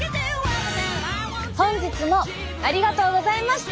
本日もありがとうございました。